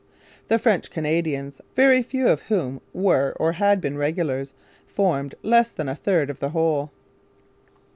The French Canadians, very few of whom were or had been regulars, formed less than a third of the whole.